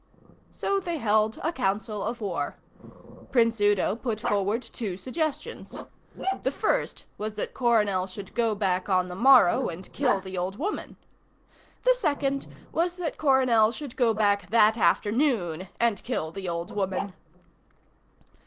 So they held a council of war. Prince Udo put forward two suggestions. The first was that Coronel should go back on the morrow and kill the old woman. The second was that Coronel should go back that afternoon and kill the old woman.